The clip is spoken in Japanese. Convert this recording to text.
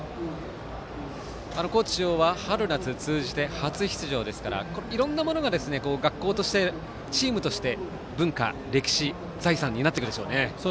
高知中央は春夏通じて初出場ですからいろんなものが学校としてチームとして、文化、歴史財産になっていくでしょうね。